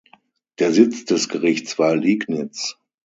Der Sitz des Gerichts war Liegnitz.